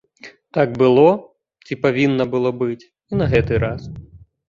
Так было ці павінна было быць і на гэты раз.